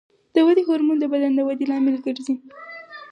د ودې هورمون د بدن د ودې لامل ګرځي.